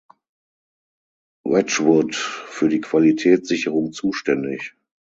Wedgwood für die Qualitätssicherung zuständig.